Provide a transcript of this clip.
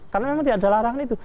karena memang tidak ada larangan itu